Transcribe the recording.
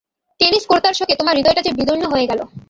Tennis কোর্তার শোকে তোমার হৃদয়টা যে বিদীর্ণ হয়ে গেল।